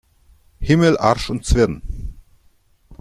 Himmel, Arsch und Zwirn!